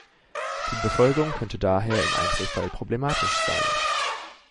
Die Befolgung könnte daher im Einzelfall problematisch sein.